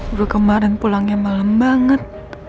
gue kemarin pulangnya malem banget